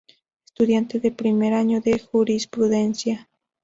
Estudiante de primer año de jurisprudencia.